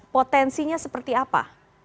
potensinya seperti apa